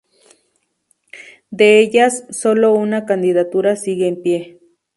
De ellas, solo una candidatura sigue en pie.